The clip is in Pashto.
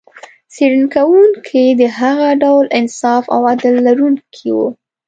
څېړنې کوونکي د هغه ډول انصاف او عدل لرونکي و.